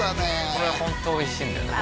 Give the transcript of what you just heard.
これはホントおいしいんだよね